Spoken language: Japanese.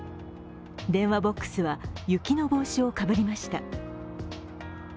電話ボックスは、雪の帽子をかぶりました。